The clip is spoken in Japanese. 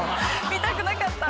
見たくなかった。